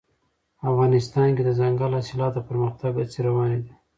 افغانستان کې د دځنګل حاصلات د پرمختګ هڅې روانې دي.